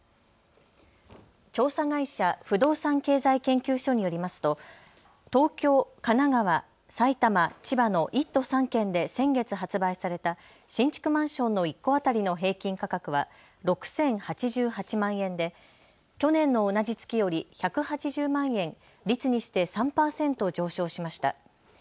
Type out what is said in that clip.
調査会社、不動産経済研究所によりますと東京、神奈川、埼玉、千葉の１都３県で先月発売された新築マンションの１戸当たりの平均価格は６０８８万円で去年の同じ月より１８０万円、率にして３％上昇しました。